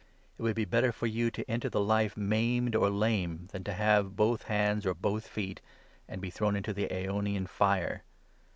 It would be better for you to enter the Life maimed or lame, than to have both hands, or both feet, and be thrown into the aeonian fire.